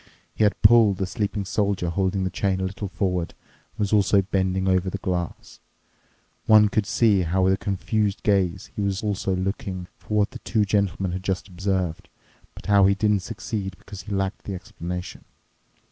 He had pulled the sleeping Soldier holding the chain a little forward and was also bending over the glass. One could see how with a confused gaze he also was looking for what the two gentlemen had just observed, but how he didn't succeed because he lacked the explanation.